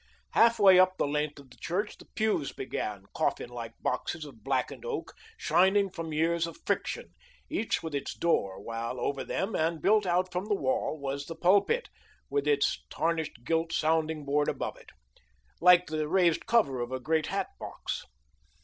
Half way up the length of the church the pews began, coffin like boxes of blackened oak, shining from years of friction, each with its door; while over them, and built out from the wall, was the pulpit, with its tarnished gilt sounding board above it, like the raised cover of a great hat box.